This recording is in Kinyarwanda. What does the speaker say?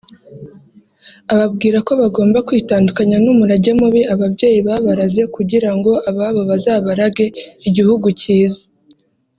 ababwira ko bagomba kwitandukanya n’umurage mubi ababyeyi babaraze kugira ngo ababo bazabarage igihugu cyiza